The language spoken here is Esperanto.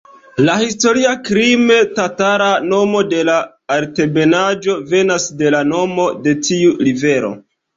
La historia krime-tatara nomo de la altebenaĵo venas de la nomo de tiu rivero.